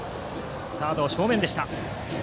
サードの正面でした。